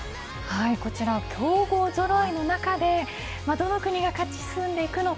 こちら、強豪ぞろいの中でどの国が勝ち進んでいくのか